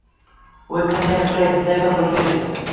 ঐখানে একটা স্নাইপার বসিয়ে দিন।